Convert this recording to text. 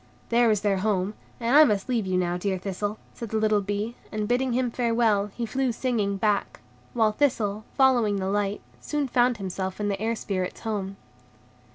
"There is their home, and I must leave you now, dear Thistle," said the little bee; and, bidding him farewell, he flew singing back; while Thistle, following the light, soon found himself in the Air Spirits' home.